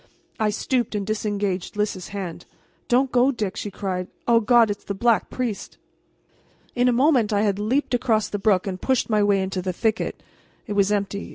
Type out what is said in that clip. I stooped and disengaged Lys's hand. "Don't go, Dick!" she cried. "O God, it's the Black Priest!" In a moment I had leaped across the brook and pushed my way into the thicket. It was empty.